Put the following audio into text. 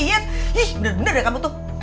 ih bener bener kamu tuh